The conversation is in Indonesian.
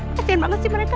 kasian banget sih mereka